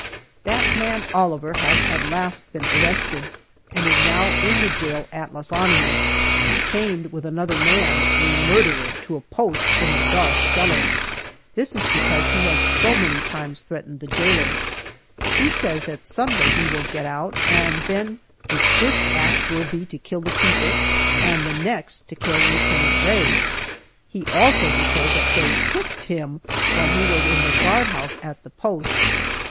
That man Oliver has at last been arrested and is now in the jail at Las Animas, chained with another man a murderer to a post in the dark cellar. This is because he has so many times threatened the jailer. He says that some day he will get out, and then his first act will be to kill the keeper, and the next to kill Lieutenant Rae. He also declares that Faye kicked him when he was in the guardhouse at the post.